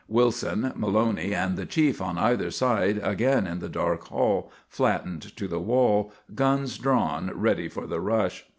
Wilson, Maloney, and the chief on either side again in the dark hall, flattened to the wall, guns drawn ready for the rush.